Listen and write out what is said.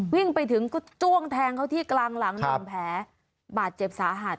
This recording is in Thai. วิ่งไปถึงก็จ้วงแทงเขาที่กลางหลังหนึ่งแผลบาดเจ็บสาหัส